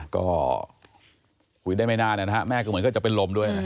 ก็คุยได้ไม่นานแบบก็ว่าะไม่งั้นก็มีลมด้วยนะ